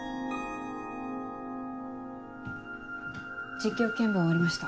実況見分終わりました。